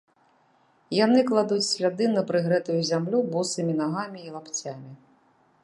Яны кладуць сляды на прыгрэтую зямлю босымі нагамі і лапцямі.